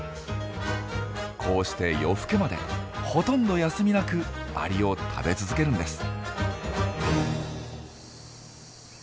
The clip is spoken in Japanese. こうして夜更けまでほとんど休みなくアリを食べ続けるんです。